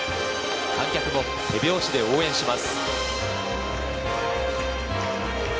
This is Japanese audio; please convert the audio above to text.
観客も手拍子で応援します。